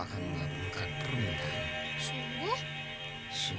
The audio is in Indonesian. aku akan membantumu